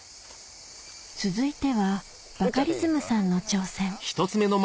続いてはバカリズムさんの挑戦